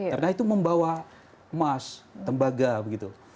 karena itu membawa emas tembaga gitu